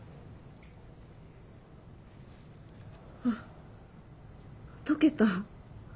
あ解けた。